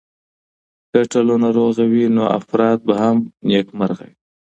که ټولنه روغه وي نو افراد به هم نېکمرغه وي.